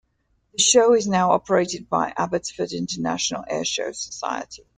The show is now operated by the Abbotsford International Airshow Society.